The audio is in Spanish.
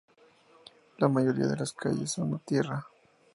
La mayoría de las calles son de tierra.